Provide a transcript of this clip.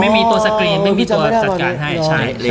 ไม่มีตัวสะเกรียมไม่มีตัวสัตว์การฟักของตัว